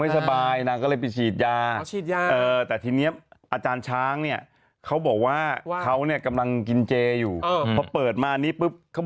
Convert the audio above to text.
ทำไมฉีดยาก็ยังจะมาถ่ายให้ดูอีกอ่ะ